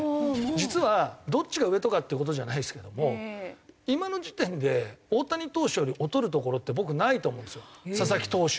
実はどっちが上とかっていう事じゃないですけども今の時点で大谷投手より劣るところって僕ないと思うんですよ佐々木投手は。